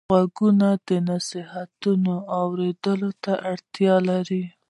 غوږونه د نصیحت اورېدلو ته اړتیا لري